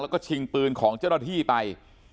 แล้วก็ชิงปืนของเจ้าหน้าที่ไป